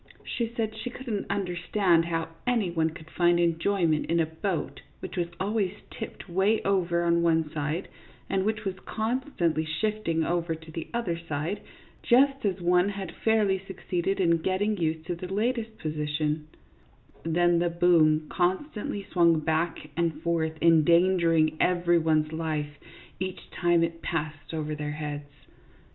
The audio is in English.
She said she " could n't understand how any one could find enjoyment in a boat which was always tipped way over on one side, and which was constantly shifting over to the other side, just as one had fairly succeeded in getting used to the latest position ; then the boom constantly swung back and forth, endan gering every one's life each time it passed over their heads."